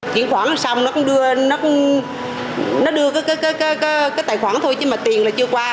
chuyển khoản xong nó đưa cái tài khoản thôi chứ mà tiền là chưa qua